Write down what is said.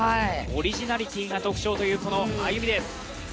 オリジナリティーが特徴という、このＡｙｕｍｉです。